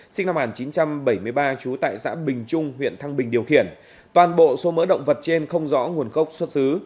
sinh năm một nghìn chín trăm bảy mươi ba trú tại xã bình trung huyện thăng bình điều khiển toàn bộ số mỡ động vật trên không rõ nguồn gốc xuất xứ